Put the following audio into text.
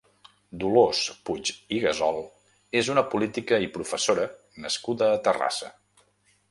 Dolors Puig i Gasol és una poítica i professora nascuda a Terrassa.